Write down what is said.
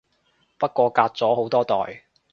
不過隔咗好多代